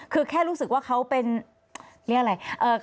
คือแค่รู้สึกว่าเขาเป็นเรียกอะไร